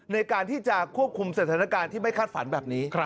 ในการที่จะควบคุมสถานการณ์ที่ไม่คาดฝันแบบนี้